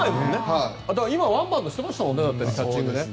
今、ワンバウンドをしていましたもん。